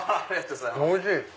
おいしい！